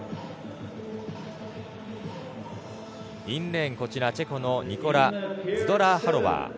インレーン、チェコのニコラ・ズドラーハロバー。